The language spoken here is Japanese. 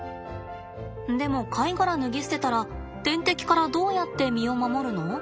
でも貝殻脱ぎ捨てたら天敵からどうやって身を守るの？